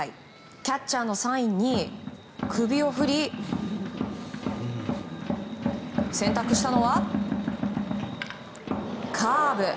キャッチャーのサインに首を振り選択したのは、カーブ。